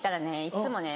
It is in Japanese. いつもね